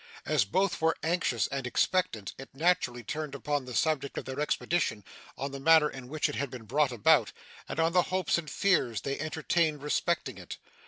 As both were anxious and expectant, it naturally turned upon the subject of their expedition, on the manner in which it had been brought about, and on the hopes and fears they entertained respecting it.